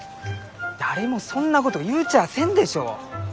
誰もそんなこと言うちゃあせんでしょう！